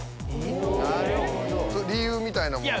理由みたいなものは？